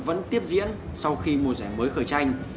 vẫn tiếp diễn sau khi mùa giải mới khởi tranh